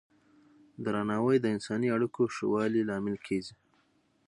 درناوی د انساني اړیکو ښه والي لامل کېږي.